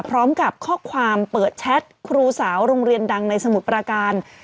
พร้อมกับข้อความเปิดแชทครูสาวโรงเรียนดังในสมุทรประการ